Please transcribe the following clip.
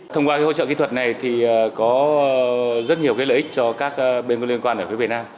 thông qua hỗ trợ kỹ thuật này thì có rất nhiều lợi ích cho các bên có liên quan ở phía việt nam